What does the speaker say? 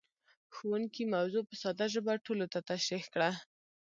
ښوونکی موضوع په ساده ژبه ټولو ته تشريح کړه.